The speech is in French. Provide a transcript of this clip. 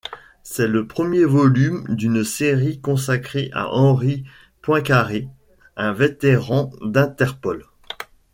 C'est le premier volume d'une série consacrée à Henri Poincaré, un vétéran d'Interpol.